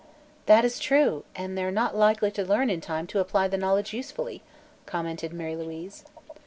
"That is true; and they're not likely to learn in time to apply the knowledge usefully," commented Mary Louise.